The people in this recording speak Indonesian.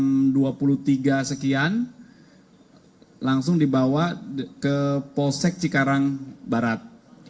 jam dua puluh tiga sekian langsung dibawa ke polsek cikarang barat